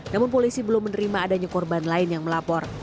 namun polisi belum menerima adanya korban lain yang melapor